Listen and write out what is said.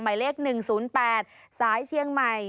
หมายเลข๑๐๘สายเชียงใหม่